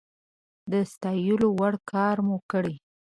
د ستايلو وړ کار مو کړی دی